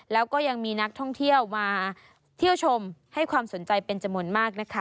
แล้วก็ยังมีนักท่องเที่ยวมาเที่ยวชมให้ความสนใจเป็นจำนวนมากนะคะ